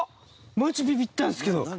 マジビビったんすけど！